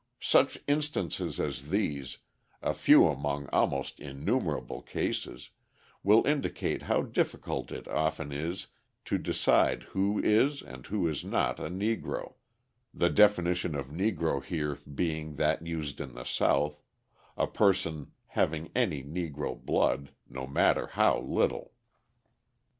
Such instances as these, a few among almost innumerable cases, will indicate how difficult it often is to decide who is and who is not a Negro the definition of Negro here being that used in the South, a person having any Negro blood, no matter how little.